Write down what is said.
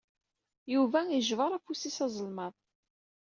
Yuba ijebbeṛ afus-is azelmaḍ.